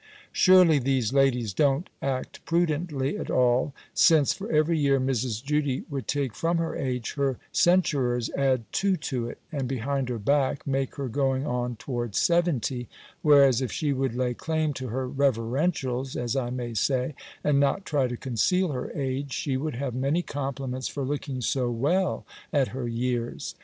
Surely, these ladies don't act prudently at all; since, for every year Mrs. Judy would take from her age, her censurers add two to it; and, behind her back, make her going on towards seventy; whereas, if she would lay claim to her reverentials, as I may say, and not try to conceal her age, she would have many compliments for looking so well at her years.